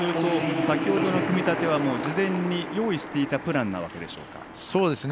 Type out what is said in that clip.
先ほどの組み立ては事前に用意していたプランなわけでしょうか？